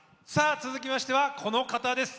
続きましてはこの方です。